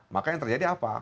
maka yang terjadi apa